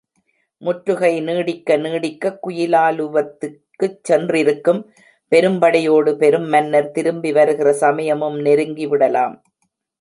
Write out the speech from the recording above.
முற்றுகை நீடிக்க நீடிக்கக் குயிலாலுவத்திற்குச் சென்றிருக்கும் பெரும்படையோடு பெருமன்னர் திரும்பி வருகிற சமயமும் நெருங்கிவிடலாம்.